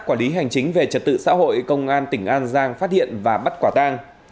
quản lý hành chính về trật tự xã hội công an tỉnh an giang phát hiện và bắt quả tang